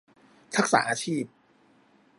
ทักษะอาชีพ